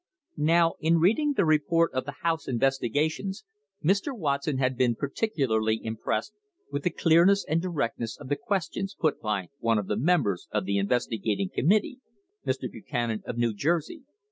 Now, in reading the report of the House investiga tions, Mr. Watson had been particularly impressed with the clearness and directness of the questions put by one of the mem bers of the investigating committee, Mr. Buchanan, of New Jersey.